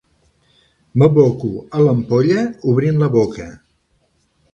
M'aboco a l'ampolla obrint la boca.